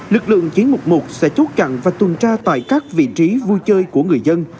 lực lượng chiến mục một sẽ chốt cặn và tuần tra tại các vị trí vui chơi của người dân